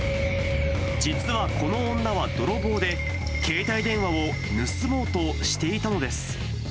実はこの女は泥棒で、携帯電話を盗もうとしていたのです。